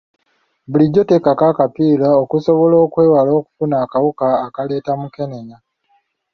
Bulijjo teekako akapiira okusobola okwewala okufuna akawuka akaleeta mukenenya.